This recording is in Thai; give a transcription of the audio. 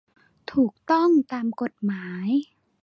ถูกต้องตามกฎหมาย